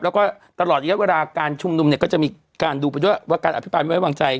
แล้วก็ตลอดระยะเวลาการชุมนุมเนี่ยก็จะมีการดูไปด้วยว่าการอภิปรายไม่ไว้วางใจ